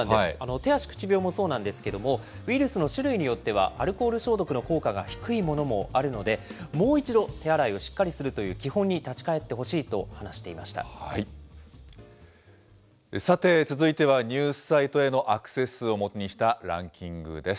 手足口病もそうなんですけれども、ウイルスの種類によっては、アルコール消毒の効果が低いものもあるので、もう一度、手洗いをしっかりするという基本に立ち返ってほしいと話していまさて、続いてはニュースサイトへのアクセス数をもとにしたランキングです。